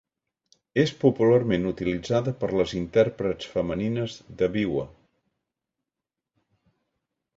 És popularment utilitzada per les intèrprets femenines de biwa.